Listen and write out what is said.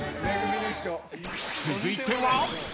［続いては］